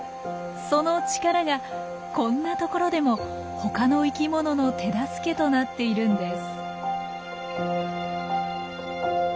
その力がこんなところでも他の生きものの手助けとなっているんです。